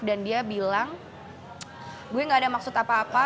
dan dia bilang gue gak ada maksud apa apa